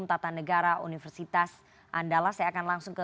terima kasih pak